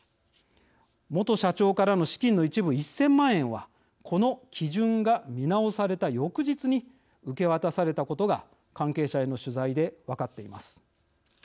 元社長からの資金の一部１，０００万円はこの基準が見直された翌日に受け渡されたことが関係者への取材で分かっています。